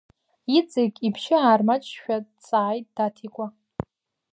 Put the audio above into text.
Иҵегь ибжьы аармаҷшәа дҵааит Даҭикәа.